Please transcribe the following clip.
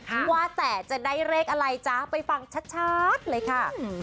ว่าแต่จะได้เลขอะไรจ๊ะไปฟังชัดเลยค่ะ